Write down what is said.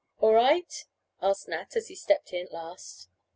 "All right?" asked Nat, as he stepped in last.